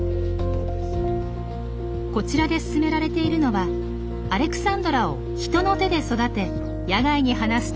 こちらで進められているのはアレクサンドラを人の手で育て野外に放すための研究。